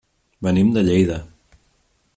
Venim de Lleida.